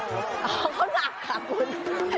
เขาหนักค่ะคน